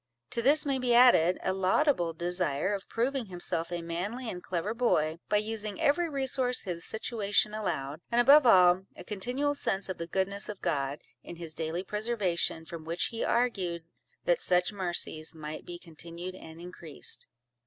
To this may be added, a laudable desire of proving himself a manly and clever boy, by using every resource his situation allowed; and above all, a continual sense of the goodness of God, in his daily preservation, from which he argued, that such mercies might be continued and increased.